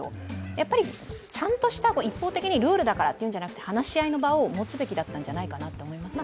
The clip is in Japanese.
やっぱりちゃんとした一方的にルールだからと言うんじゃなくて話し合いの場を持つべきだったんじゃないかと思いますね。